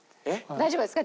大丈夫ですか？